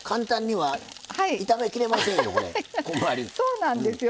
そうなんですよ。